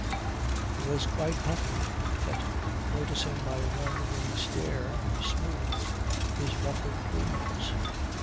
He was quite huffy, but noticing my wondering stare he smoothed his ruffled plumes.